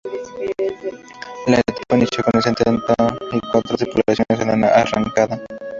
La etapa inició con setenta y cuatro tripulaciones en la arrancada.